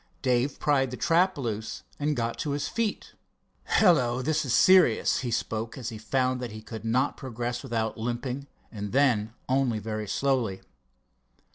Dave pried the trap loose and got to his feet. "Hello, this is serious," he spoke, as he found that he could not progress without limping, and then, only very slowly.